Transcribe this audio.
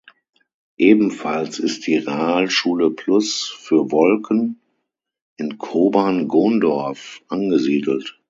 Ebenfalls ist die Realschule plus für Wolken in Kobern-Gondorf angesiedelt.